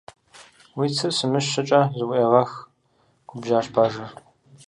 Уи цыр сымыщ щӀыкӀэ зыӀуегъэх! - губжьащ Бажэр.